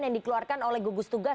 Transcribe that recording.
yang dikeluarkan oleh gugus tugas